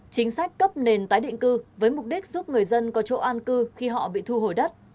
chính sách cấp nền tái định cư với mục đích giúp người dân có chỗ an cư khi họ bị thu hồi đất